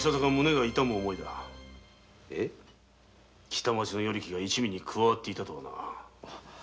北町の与力が一味に加わっていたとは。